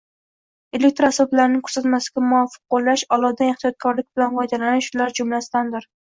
elektr asboblarini ko‘rsatmasiga muvofiq qo‘llash, olovdan ehtiyotkorlik bilan foydalanish shular jumlasidandir.